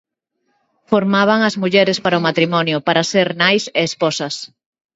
Formaban as mulleres para o matrimonio, para ser nais e esposas.